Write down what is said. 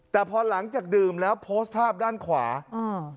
แต่พอหลังจากดื่มแล้วโพสต์ภาพด้านขวาอ่า